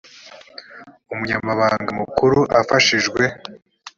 umunyamabanga mukuru afashijwe